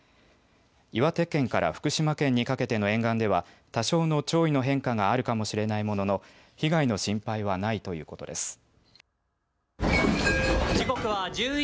岩手県から福島県にかけての沿岸では多少の潮位の変化があるかもしれないものの被害の心配はないということです。